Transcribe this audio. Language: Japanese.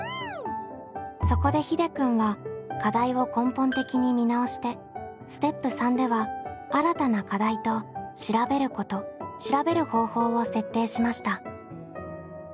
そこでひでくんは課題を根本的に見直してステップ３では新たな課題と調べること調べる方法を設定しました。